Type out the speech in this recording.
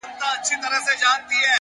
هره شېبه د غوره کېدو امکان لري.!